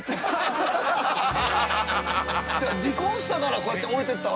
離婚したからこうやって置いていったわけだ。